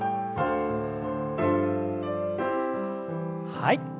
はい。